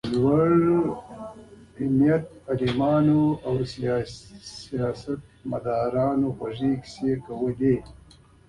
د لوړ همته عالمانو او سیاست مدارانو خوږې کیسې یې کولې.